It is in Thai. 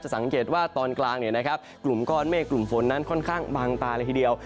สังเกตว่าตอนกลางกลุ่มก้อนเมฆกลุ่มฝนนั้นค่อนข้างบางตาเลยทีเดียว